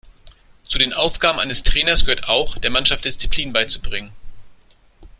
Zu den Aufgaben eines Trainers gehört auch, der Mannschaft Disziplin beizubringen.